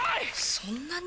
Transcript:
そんなに！？